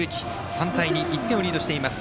３対２、１点をリードしています。